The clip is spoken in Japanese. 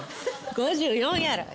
５４やろ。